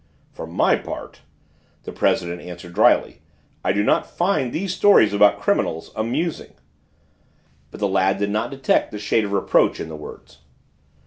"For my part," the president answered dryly, "I do not find these stories about criminals 'amusing.'" But the lad did not detect the shade of reproach in the words.